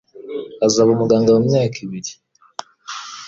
Azaba umuganga mumyaka ibiri.